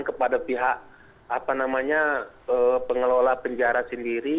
kepada pihak pengelola penjara sendiri